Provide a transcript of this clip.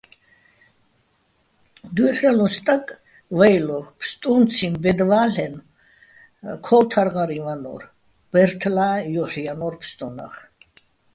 დუ́ჲჰ̦რელუჼ სტაკ, ვეჲლო, ფსტუნციჼ ბედ ვა́ლლ'ენო̆, ქო́ვთარღარიჼ ვარ, ბეჲრთლა́ჼ ჲოჰ̦ ჲანო́რ ფსტუნაღ.